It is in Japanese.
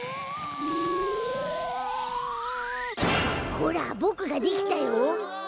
ほらボクができたよ！